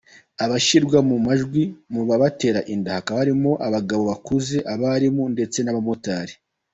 Abashyirwa mu majwi mu babatera inda hakaba harimo abagabo bakuze, abarimu ndetse n’abamotari.